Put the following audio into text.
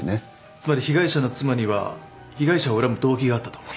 つまり被害者の妻には被害者を恨む動機があったと。